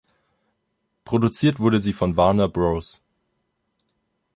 Produziert wurde sie von Warner Bros.